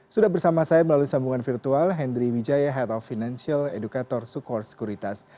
sudah bersama saya melalui sambungan virtual hendry wijaya head of financial educator sukor sekuritas